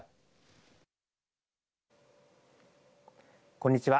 こんにちは。